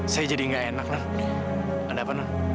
saya jadi ga enak non ada apa non